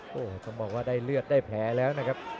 โอ้โหต้องบอกว่าได้เลือดได้แผลแล้วนะครับ